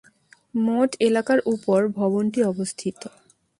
মোট এলাকার উপর ভবনটি অবস্থিত।